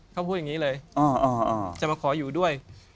เขาพูดอย่างนี้เลยจะมาขออยู่ด้วย